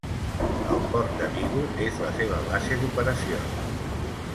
El port de Vigo és la seva base d'operacions.